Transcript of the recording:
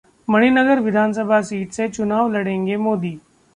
मणिनगर विधानसभा सीट से चुनाव लड़ेंगे मोदी